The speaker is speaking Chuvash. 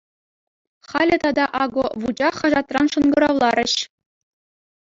Халӗ тата, акӑ, «Вучах» хаҫатран шӑнкӑравларӗҫ.